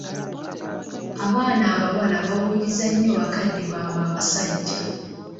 Abaana abawala bawuliriza nnyo bakadde baabwe abasajja.